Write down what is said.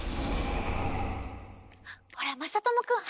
ほらまさともくんはやく！